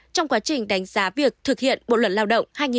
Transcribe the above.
trong quá trình đánh giá việc thực hiện bộ luật lao động hai nghìn một mươi năm